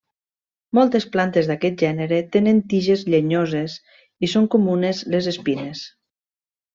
Moltes plantes d'aquest gènere tenen tiges llenyoses i són comunes les espines.